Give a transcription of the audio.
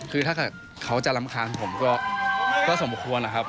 คือถ้าเกิดเขาจะรำคาญผมก็สมควรนะครับ